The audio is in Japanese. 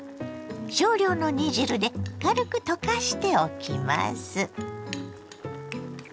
少量の煮汁で軽く溶かしておきます。